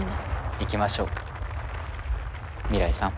行きましょう未来さん。